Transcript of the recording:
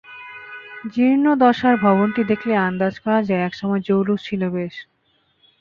জীর্ণ দশার ভবনটি দেখলেই আন্দাজ করা যায়, একসময় জৌলুশ ছিল বেশ।